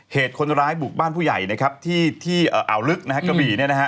เหตุคนร้ายบุคบ้านผู้ใหญ่ที่อ่าวลึกกระบวิน